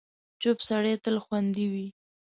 چوپ سړی، تل خوندي وي.